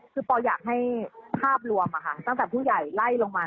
คือปออยากให้ภาพรวมตั้งแต่ผู้ใหญ่ไล่ลงมา